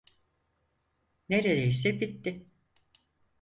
Nerdeyse bitti.